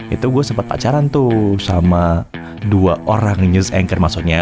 itu gue sempat pacaran tuh sama dua orang news anchor maksudnya